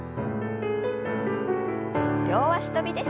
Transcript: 両脚跳びです。